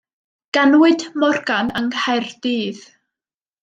Ganwyd Morgan yng Nghaerdydd.